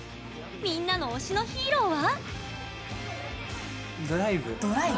みんなの推しのヒーローは？